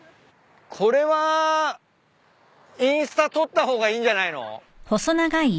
これはインスタ撮った方がいいんじゃないの？